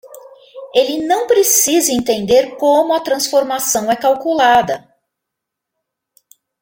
Ele não precisa entender como a transformação é calculada.